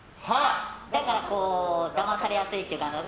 だから、だまされやすいというか。